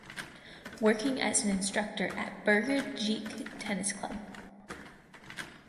Working as an instructor at Burger Dijk Tennis Club.